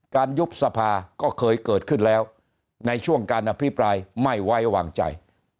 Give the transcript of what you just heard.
ยุบสภาก็เคยเกิดขึ้นแล้วในช่วงการอภิปรายไม่ไว้วางใจ